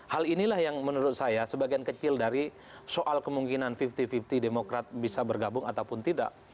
hal inilah yang menurut saya sebagian kecil dari soal kemungkinan lima puluh lima puluh demokrat bisa bergabung ataupun tidak